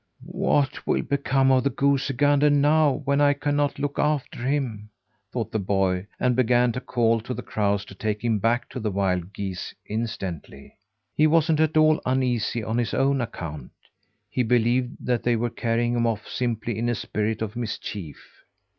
"What will become of the goosey gander now, when I cannot look after him?" thought the boy, and began to call to the crows to take him back to the wild geese instantly. He wasn't at all uneasy on his own account. He believed that they were carrying him off simply in a spirit of mischief.